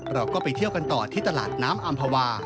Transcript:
เราก็ไปเที่ยวกันต่อที่ตลาดน้ำอำภาวา